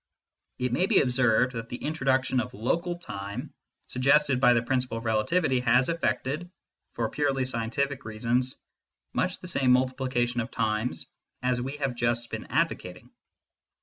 It may be observed that the introduction of " local time " suggested by the principle of relativity has effected, for purely scientific reasons, much the same multiplication of times as we have just been advocating.